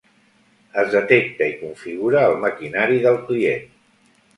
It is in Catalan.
Es detecta i configura el maquinari del client.